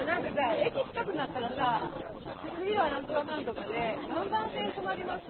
駅近くなったらさ次は何とかかんとかで何番線に止まります